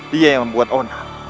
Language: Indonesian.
dia yang membuat ona